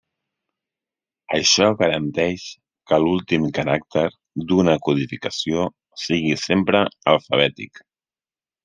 Això garanteix que l'últim caràcter d'una codificació sigui sempre alfabètic.